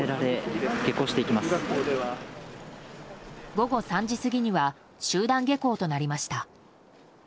午後３時過ぎには集団下校となりました。